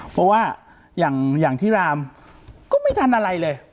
เพราะว่าอย่างที่รามก็ไม่ทันอะไรเลย